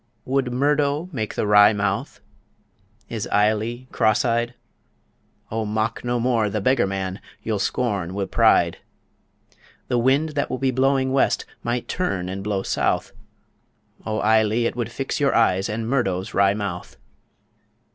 Would Murdo make the wry mouth? Is Ailie cross eyed? O mock no more the beggar man, You'll scorn wi' pride! The wind that will be blowing west, Might turn and blow south O, Ailie, it would fix your eyes And Murdo's wry mouth.